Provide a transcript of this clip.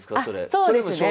そうですね。